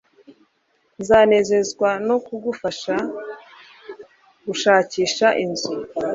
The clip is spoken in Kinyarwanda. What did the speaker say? Nzanezezwa no kugufasha gushakisha inzu